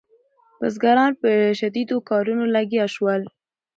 بزګران په شدیدو کارونو لګیا شول.